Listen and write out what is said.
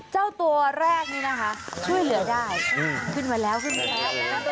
เจ้าตัวแรกนี่นะคะช่วยเหลือได้ขึ้นมาแล้วขึ้นมาแล้ว